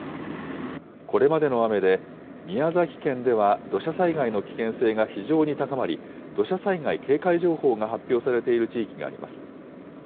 これまでの雨で、宮崎県では土砂災害の危険性が非常に高まり、土砂災害警戒情報が発表されている地域があります。